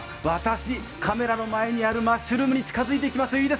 私、カメラの前にあるマッシュルームに近づいていきますよ。